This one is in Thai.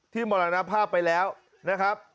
มรณภาพไปแล้วนะครับ